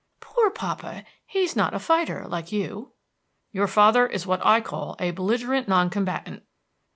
"Poor papa! he is not a fighter, like you." "Your father is what I call a belligerent non combatant."